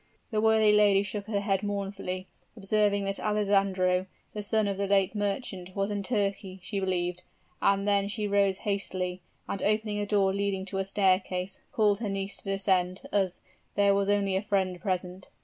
"The worthy lady shook her head mournfully, observing that Alessandro, the son of the late merchant, was in Turkey, she believed; and then she rose hastily, and opening a door leading to a staircase, called her niece to descend, as 'there was only a friend present.'